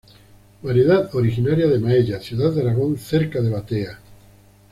Variedad originaria de Maella, ciudad de Aragón cerca de Batea.